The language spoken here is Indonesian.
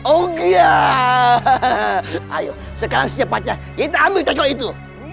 oh ya hahaha ayo sekarang secepatnya kita ambil teko itu